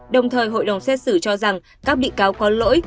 đồng thời hội đồng xét xử cho rằng các bị cáo có lỗi